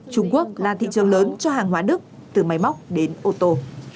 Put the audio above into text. trung quốc là thị trường lớn cho hàng hóa đức từ máy móc đến ô tô